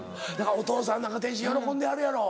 お父さんなんか天心喜んではるやろ。